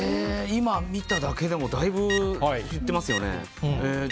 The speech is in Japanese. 今見ただけでもだいぶふってますよね。